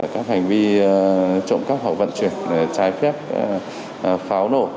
các hành vi trộm cắp hoặc vận chuyển trái phép pháo nổ